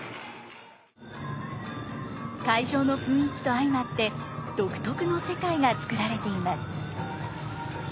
会場の雰囲気と相まって独特の世界がつくられています。